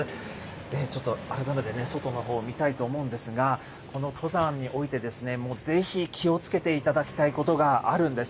ちょっと改めて外のほうを見たいと思うんですが、この登山において、ぜひ気をつけていただきたいことがあるんです。